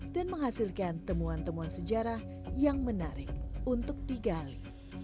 dan menghasilkan temuan temuan sejarah yang menarik untuk digali